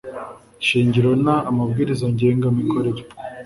shingiro n amabwiriza ngenga mikorere